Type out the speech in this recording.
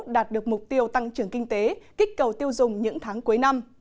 đạt được mục tiêu tăng trưởng kinh tế kích cầu tiêu dùng những tháng cuối năm